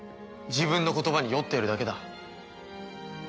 自分の言葉に酔っているだけだ。